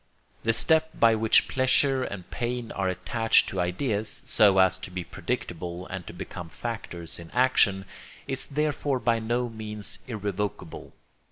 The step by which pleasure and pain are attached to ideas, so as to be predictable and to become factors in action, is therefore by no means irrevocable.